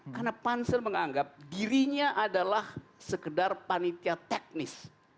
karena pansel menganggap dirinya adalah sekedar panitia teknis